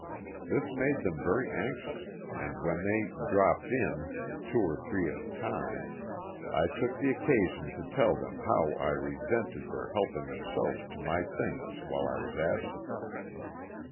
This made them very anxious, and when they "dropped in," two or three at a time, I took the occasion to tell them how I resented their helping themselves to my things while I was absent.